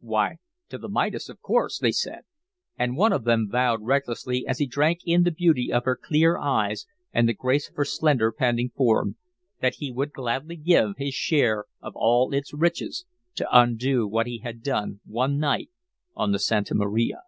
"Why, to the Midas, of course," they said; and one of them vowed recklessly, as he drank in the beauty of her clear eyes and the grace of her slender, panting form, that he would gladly give his share of all its riches to undo what he had done one night on the Santa Maria.